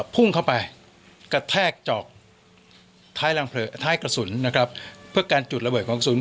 พุ่งเข้าไปกระแทกจอกท้ายกระสุนนะครับเพื่อการจุดระเบิดของศูนย์